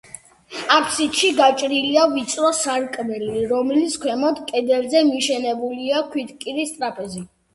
აფსიდში გაჭრილია ვიწრო სარკმელი, რომლის ქვემოთ, კედელზე, მიშენებულია ქვითკირის ტრაპეზი.